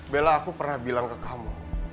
bella aku pernah bilang ke kamu